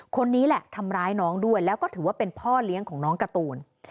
คนนี้แหละทำร้ายน้องด้วยแล้วก็ถือว่าเป็นพ่อเลี้ยงของน้องการ์ตูน